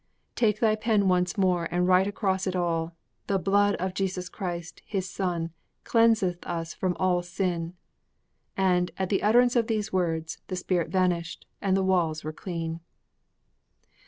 'Take thy pen once more and write across it all: "The blood of Jesus Christ, His Son, cleanseth us from all sin!"' And, at the utterance of those words, the spirit vanished and the walls were clean!